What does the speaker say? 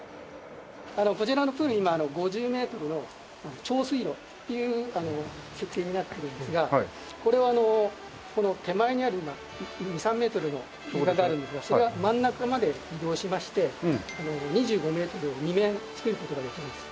こちらのプール今５０メートルの長水路っていう設定になってるんですがこれはこの手前にある２３メートルの床があるんですがそれが真ん中まで移動しまして２５メートルを２面作る事ができるんです。